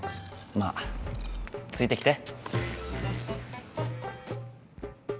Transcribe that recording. まあついてきて。